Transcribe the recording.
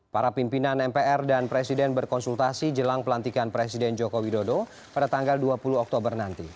para pimpinan mpr dan presiden berkonsultasi jelang pelantikan presiden joko widodo pada tanggal dua puluh oktober nanti